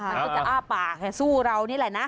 มันก็จะอ้าปากสู้เรานี่แหละนะ